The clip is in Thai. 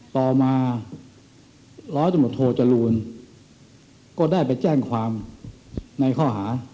ต่อมารศธจรูลก็ได้ไปแจ้งความในข้อหา